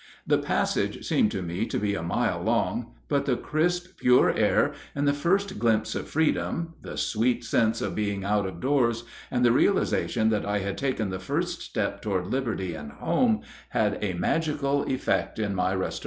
The passage seemed to me to be a mile long; but the crisp, pure air and the first glimpse of freedom, the sweet sense of being out of doors, and the realization that I had taken the first step toward liberty and home, had a magical effect in my restoration.